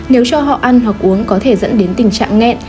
nếu cho họ ăn hoặc uống có thể dẫn đến tình trạng nghẹn